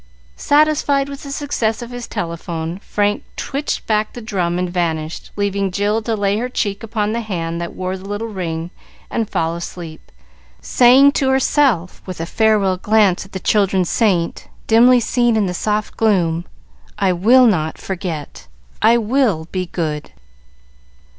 Satisfied with the success of his telephone, Frank twitched back the drum and vanished, leaving Jill to lay her cheek upon the hand that wore the little ring and fall asleep, saying to herself, with a farewell glance at the children's saint, dimly seen in the soft gloom, "I will not forget. I will be good!"